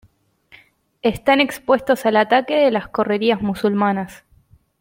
Están expuestos al ataque de las correrías musulmanas.